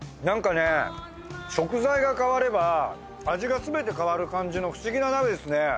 なんかね食材が変われば味がすべて変わる感じの不思議な鍋ですね。